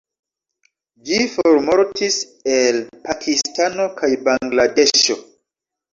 Ĝi formortis el Pakistano kaj Bangladeŝo.